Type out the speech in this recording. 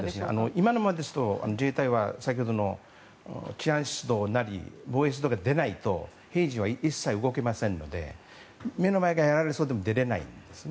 今のままですと自衛隊は先ほどの治安出動なり防衛出動が出ないと平時は一切動けませんので目の前でやられそうでも出られないんです。